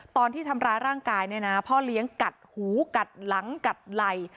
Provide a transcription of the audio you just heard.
ตอนที่ทำร้ายร่างกายเนี่ยนะพ่อเลี้ยงกัดหูกัดหลังกัดไหล่